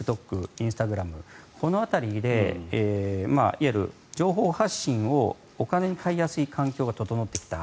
インスタグラムこの辺りでいわゆる情報発信をお金に換えやすい環境が整ってきた。